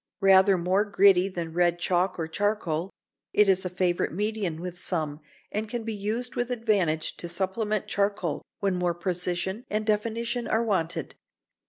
Rather more gritty than red chalk or charcoal, it is a favourite medium with some, and can be used with advantage to supplement charcoal when more precision and definition are wanted.